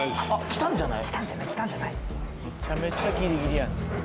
来たんじゃない？